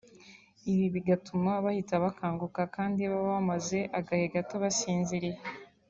ibi bigatuma bahita bakanguka kandi baba bamaze agahe gato basinziriye